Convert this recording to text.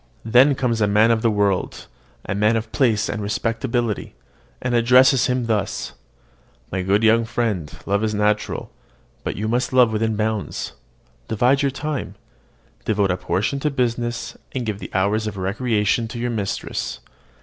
Then comes a man of the world, a man of place and respectability, and addresses him thus: "My good young friend, love is natural; but you must love within bounds. Divide your time: devote a portion to business, and give the hours of recreation to your mistress.